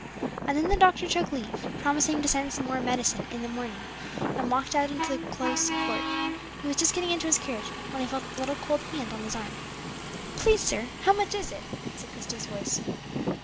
And then the doctor took leave, promising to send some medicine in the morning, and walked out into the close court. He was just getting into his carriage, when he felt a little cold hand on his arm. "Please, sir, how much is it?" said Christie's voice.